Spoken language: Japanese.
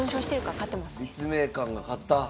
立命館が勝った。